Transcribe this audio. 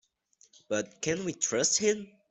But can we trust him?